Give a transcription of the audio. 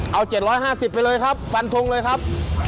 เอา๗๕๐ไปเลยครับฟันทงเลยครับ